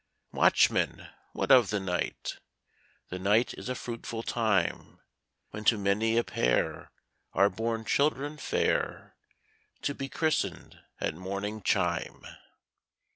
'Watchman, what of the night?' 'The night is a fruitful time; When to many a pair are born children fair, To be christened at morning chime.'